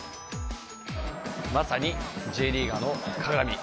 まさにＪリーガーのかがみ！